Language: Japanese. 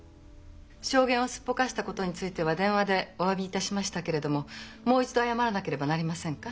証言をすっぽかしたことについては電話でおわびいたしましたけれどももう一度謝らなければなりませんか？